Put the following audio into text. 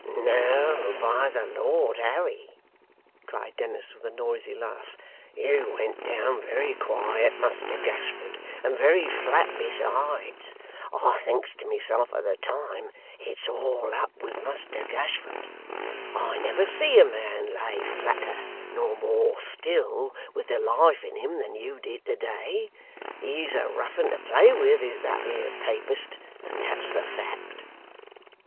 'No, by the Lord Harry!' cried Dennis with a noisy laugh, 'you went down very quiet, Muster Gashford and very flat besides. I thinks to myself at the time "it's all up with Muster Gashford!" I never see a man lay flatter nor more still with the life in him than you did to day. He's a rough 'un to play with, is that 'ere Papist, and that's the fact.